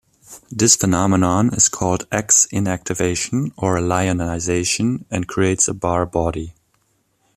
This phenomenon is called X-inactivation or Lyonization, and creates a Barr body.